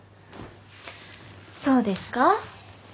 そうですか？